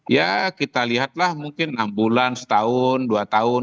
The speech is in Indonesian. ya kita lihatlah mungkin enam bulan setahun dua tahun